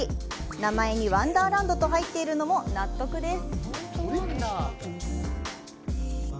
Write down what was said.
名前に「ワンダーランド」と入っているのも納得です。